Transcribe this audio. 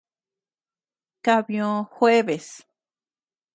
Kabyio jueves.